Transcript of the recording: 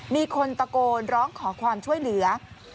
มีคนตะโกนร้องขอความช่วยเหลือ